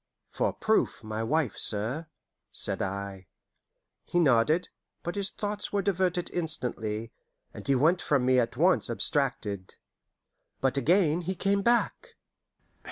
"For proof, my wife, sir," said I. He nodded, but his thoughts were diverted instantly, and he went from me at once abstracted. But again he came back.